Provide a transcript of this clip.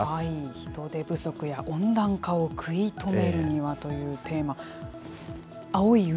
人手不足や温暖化を食い止めるにはというテーマ、青い海。